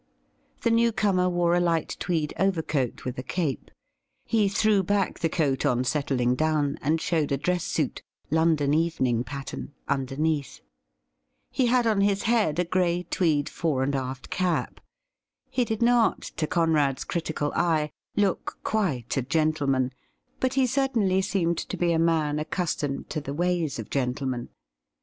The new comer wore a light tweed overcoat with a cape. He threw back the coat on settling down, and showed a dress suit — London evening pattern — underneath. He had on his head a gray tweed fore and aft cap. He did not, to Conrad's critical eye, look quite a gentleman, but he certainly seemed to be a man accus tomed to the ways of gentlemen.